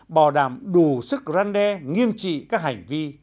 bảo đảm đủ sức răn đe nghiêm trị các hành vi